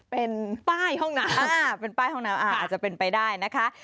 เป็นป้ายห้องน้ำเป็นป้ายห้องน้ำอาจจะเป็นไปได้นะคะ